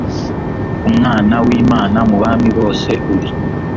mwana w'imana mu bami bose uri